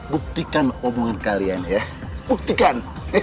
buktikan omongan kalian ya buktikan